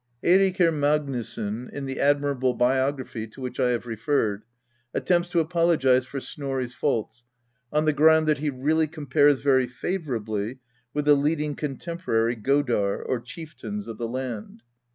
Eirikr Magnusson, in the admirable biography to which I have referred, attempts to apologize for Snorri's faults on the ground that he "really compares very favorably with the leading contemporary godar [chieftains] of the land."